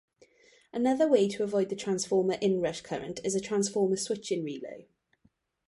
Another way to avoid the transformer inrush current is a "transformer switching relay".